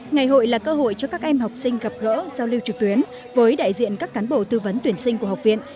ngày hội là cơ hội cho các em học sinh gặp gỡ giao lưu trực tuyến với đại diện các cán bộ tư vấn tuyển sinh của học viện